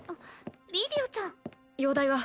リディアちゃん容体は？